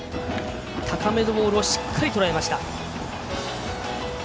高めのボールをしっかり、とらえました。